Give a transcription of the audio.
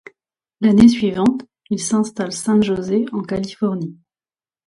L'année suivante, ils s'installent San José en Californie.